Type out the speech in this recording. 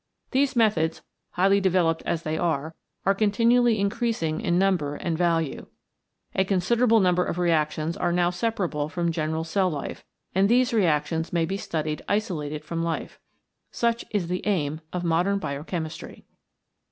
These methods, highly developed as they are, are con tinually increasing in number and value. A con siderable number of reactions are now separable from general cell life, and these reactions may be studied isolated from life. Such is the aim of modern biochemistry.